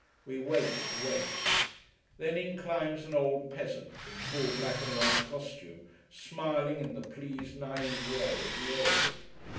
We wait and wait. Then in climbs an old peasant, in full black and white costume, smiling in the pleased, naïve way of the old.